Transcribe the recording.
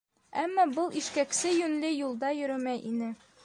Әммә был ишкәксе йүнле юлда йөрөмәй ине.